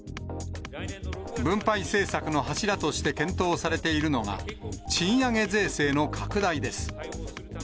分配政策の柱として検討されているのが、賃上げ税制の拡大です。